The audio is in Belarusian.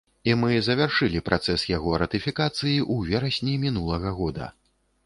І мы завяршылі працэс яго ратыфікацыі ў верасні мінулага года.